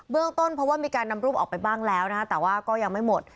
เรื่องต้นเพราะว่ามีการนำรูปออกไปบ้างแล้วนะฮะแต่ว่าก็ยังไม่หมด